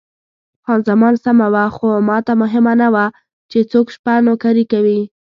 خان زمان سمه وه، خو ماته مهمه نه وه چې څوک شپه نوکري کوي.